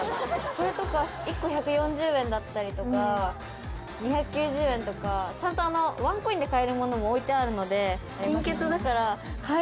これとか１個１４０円だったりとか２９０円とかちゃんとワンコインで買えるものも置いてあるので。